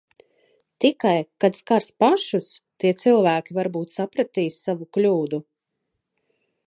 Tikai, kad skars pašus, tie cilvēki varbūt sapratīs savu kļūdu.